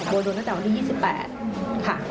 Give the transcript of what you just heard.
โดยโดนตั้งแต่วันที่๒๘ค่ะ